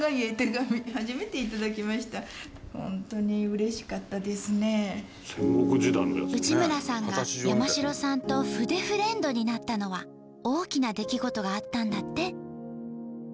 向かったのは内村さんが山城さんと筆フレンドになったのは大きな出来事があったんだって。